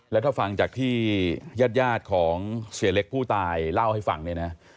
แล้วถ้าฟังจากที่ญาติของเสียเล็กผู้ตายเล่าให้ฟังเนี่ยนะ